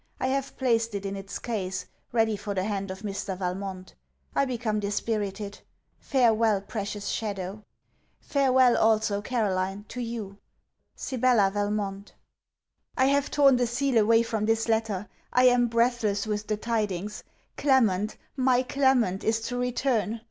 I have placed it in its case, ready for the hand of Mr. Valmont. I become dispirited. Farewel, precious shadow! Farewel, also, Caroline to you! SIBELLA VALMONT I have torn the seal away from this letter! I am breathless with the tidings! Clement, my Clement, is to return!